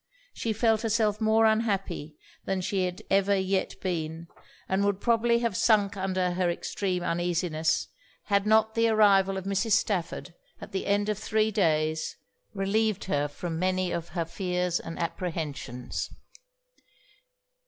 She felt herself more unhappy than she had ever yet been; and would probably have sunk under her extreme uneasiness, had not the arrival of Mrs. Stafford, at the end of three days, relieved her from many of her fears and apprehensions.